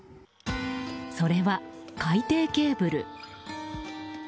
それは海底ケーブル。